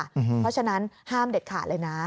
เพราะฉะนั้นห้ามเด็ดขาดเลยนะ